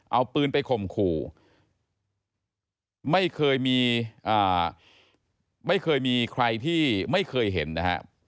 เอาปืนไปคมขู่ไม่เคยมีใครที่ไม่เคยเห็นนะครับ